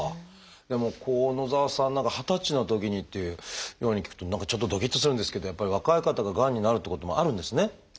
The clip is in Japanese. でも野澤さんなんかは二十歳のときにっていうように聞くと何かちょっとどきっとするんですけどやっぱり若い方ががんになるってこともあるんですね。